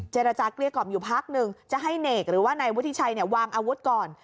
เจรจาเกลี้ยกล่อมอยู่พักหนึ่งจะให้เนกหรือว่านายวุฒิชัยวางอาวุธก่อน